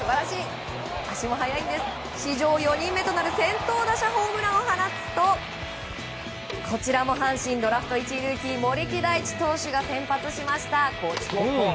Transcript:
史上４人目となる先頭打者ホームランを放つとこちらも阪神のドラフト１位ルーキー森木大智選手が先発しました。